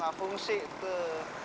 gak fungsi tuh